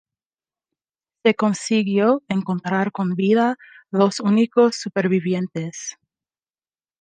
Se consiguió encontrar con vida dos únicos supervivientes.